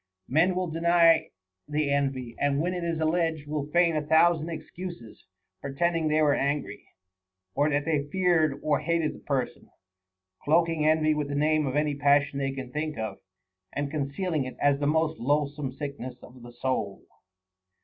Men will deny the envy ; and when it is alleged, will feign a thousand excuses, pretending they were angry, or that they feared or hated the person, cloaking envy with the name of any passion they can think of, and concealing it as the most loathsome sickness of the soul.